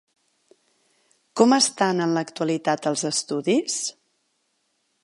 Com estan en l'actualitat els estudis?